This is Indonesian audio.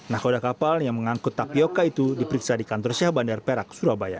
nahkoda kapal yang mengangkut tapioca itu diperiksa di kantor syah bandar perak surabaya